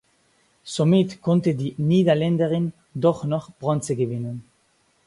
Somit konnte die Niederländerin doch noch Bronze gewinnen.